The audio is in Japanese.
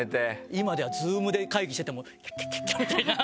今ではＺｏｏｍで会議しててもキャッキャキャッキャみたいな。